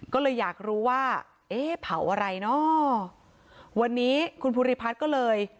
ก็เลยอยากรู้ว่าเอ๊ะเผาอะไรเนอะวันนี้คุณภูริพัฒน์ก็เลย